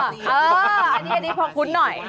เอออันนี้อันนี้พร้อมคุ้นหน่อย